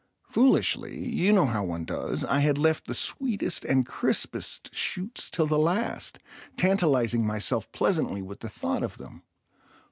Foolishly—you know how one does—I had left the sweetest and crispest shoots till the last, tantalizing myself pleasantly with the thought of them.